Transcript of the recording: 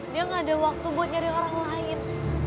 dia gak ada waktu buat nyari orang lain